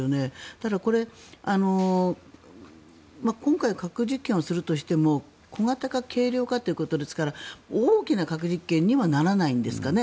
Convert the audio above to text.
ただ、今回核実験をするとしても小型化軽量化ということですから大きな核実験にはならないんですかね。